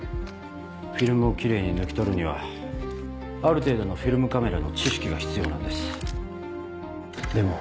フィルムをキレイに抜き取るにはある程度のフィルムカメラの知識が必要なんですでも。